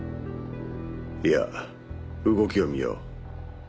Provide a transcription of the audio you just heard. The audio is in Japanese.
いや動きを見よう。